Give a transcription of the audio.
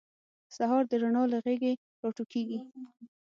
سهار د رڼا له غیږې راټوکېږي.